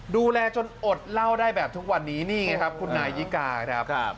ดูแลจนอดเล่าได้แบบทุกวันนี้นี่ไงครับคุณนายยิกาครับ